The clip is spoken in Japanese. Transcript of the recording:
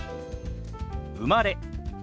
「生まれ」。